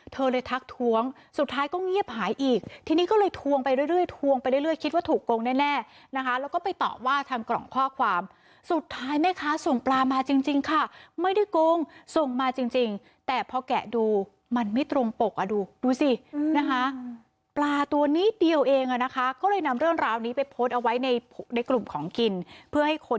เธอเลยทักท้วงสุดท้ายก็เงียบหายอีกทีนี้ก็เลยทวงไปเรื่อยทวงไปเรื่อยคิดว่าถูกโกงแน่นะคะแล้วก็ไปต่อว่าทางกล่องข้อความสุดท้ายแม่ค้าส่งปลามาจริงค่ะไม่ได้โกงส่งมาจริงแต่พอแกะดูมันไม่ตรงปกอ่ะดูดูสินะคะปลาตัวนิดเดียวเองอ่ะนะคะก็เลยนำเรื่องราวนี้ไปโพสต์เอาไว้ในกลุ่มของกินเพื่อให้คน